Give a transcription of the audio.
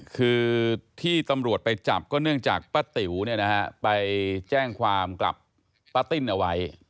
คือที่ตำรวจไปจับก็เนื่องจากป้าติ๋วไปแจ้งความกลับป้าติ้นเอาไว้